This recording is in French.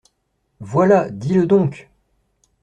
Voilà, dis-le donc !